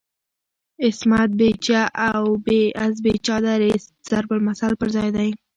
"عصمت بی چه از بی چادریست" ضرب المثل پر ځای دی.